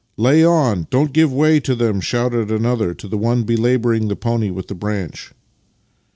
"Lay on! Don't give way to them!" shouted another to the one belabouring the pony with the branch.